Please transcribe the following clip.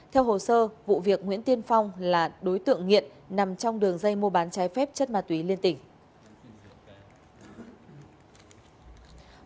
theo hồ sơ vụ việc nguyễn tiên phong là đối tượng nghiện nằm trong đường dây mua bán trái phép chất ma túy liên tỉnh